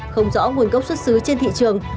không rõ nguồn gốc xuất xứ trên thị trường